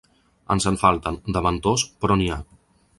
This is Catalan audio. Ens en falten, de mentors, però n’hi ha!